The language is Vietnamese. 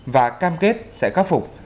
và cam kết sẽ cắt phục